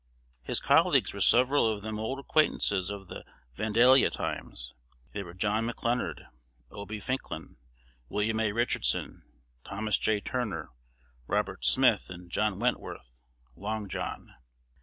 His colleagues were several of them old acquaintances of the Vandalia times. They were John McClernand, O. B. Ficklin, William A. Richardson, Thomas J. Turner, Robert Smith, and John Wentworth (Long John).